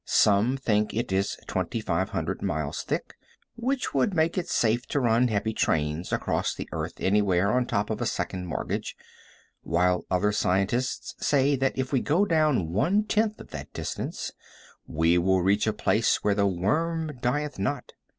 Some think it is 2,500 miles thick, which would make it safe to run heavy trains across the earth anywhere on top of a second mortgage, while other scientists say that if we go down one tenth of that distance we will reach a place where the worm dieth not.